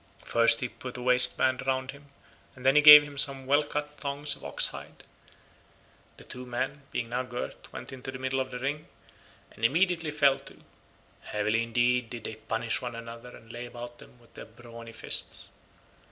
First he put a waistband round him and then he gave him some well cut thongs of ox hide; the two men being now girt went into the middle of the ring, and immediately fell to; heavily indeed did they punish one another and lay about them with their brawny fists.